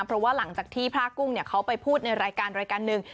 เพราะว่าหลังจากที่พระกุ้งเขาไปพูดในรายการรายการหนึ่ง